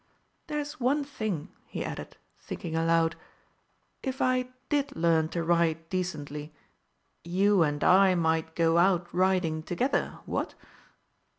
"There's one thing," he added, thinking aloud, "if I did learn to ride decently, you and I might go out riding together, what?"